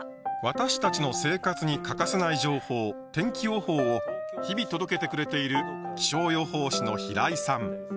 私たちの生活に欠かせない情報「天気予報」を日々届けてくれている気象予報士の平井さん。